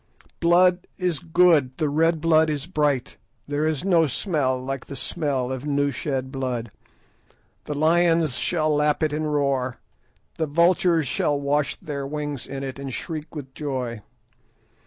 "Blood is good, the red blood is bright; there is no smell like the smell of new shed blood. The lions shall lap it and roar, the vultures shall wash their wings in it and shriek with joy.